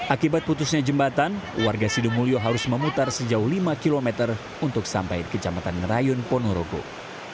akibat putusnya jembatan warga sido mulyo harus memutar sejauh lima km untuk sampai kecamatan ngerayun ponorogong